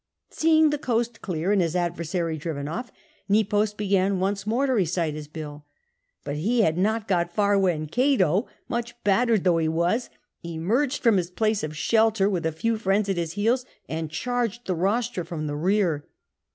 Seeing the coast clear and his adversary driven off, Nepos began once more to recite his bill; but he had not got far when Cato, much battered though he was, emerged from his place of shelter with a few friends at his heels, and charged the rostra from the rear.